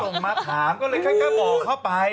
ก็เลยก็ส่งมาถามก็เลยแค่บอกเข้าไป